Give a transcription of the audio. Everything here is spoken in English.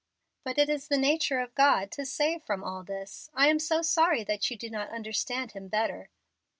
"But it is the nature of God to save from all this. I am so sorry that you do not understand Him better."